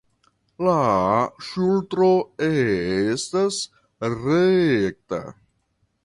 La ŝultro estas rekta.